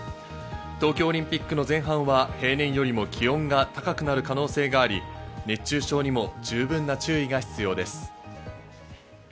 東京オリンピックの前半は平年よりも気温が高くなる可能性があり、熱中症にも十分な注意が必要です。